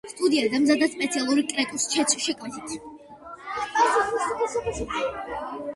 სტუდია დამზადდა სპეციალურად კრეტუს შეკვეთით.